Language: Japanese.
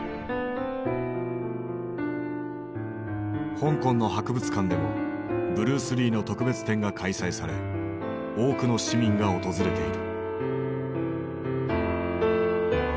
香港の博物館でもブルース・リーの特別展が開催され多くの市民が訪れている。